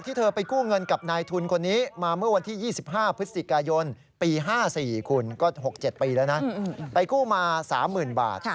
คุณก็๖๗ปีแล้วนะไปกู้มา๓๐๐๐๐บาท